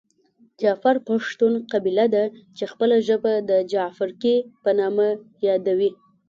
جعفر پښتون قبیله ده چې خپله ژبه د جعفرکي په نامه لري .